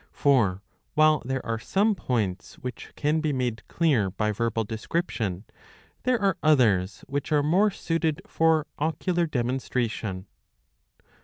For while there are some points which can be made clear by verbal description there are others which are more suited for ocular demonstration.